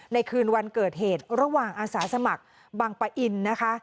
คืนวันเกิดเหตุระหว่างอาสาสมัครบังปะอินนะคะ